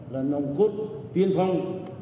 là nòng cốt tiên phong